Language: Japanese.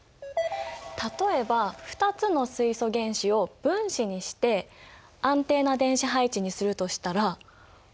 例えば２つの水素原子を分子にして安定な電子配置にするとしたらどうすればいいか考えてみて。